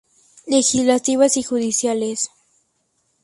Legislativas y judiciales